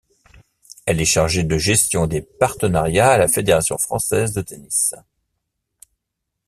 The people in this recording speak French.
Elle est chargée de gestion des partenariats à la Fédération française de tennis.